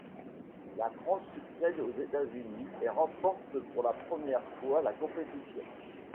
La France succède aux États-Unis et remporte pour la première fois la compétition.